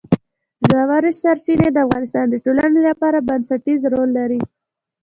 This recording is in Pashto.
ژورې سرچینې د افغانستان د ټولنې لپاره بنسټيز رول لري.